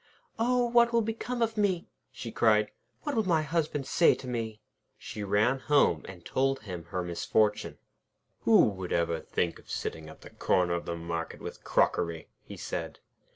'Oh! what will become of me?' she cried. 'What will my Husband say to me?' She ran home, and told him her misfortune. 'Who would ever think of sitting at the corner of the market with crockery?' he said.